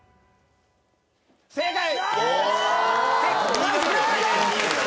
正解！